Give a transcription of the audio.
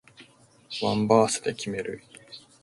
ワンバースで決める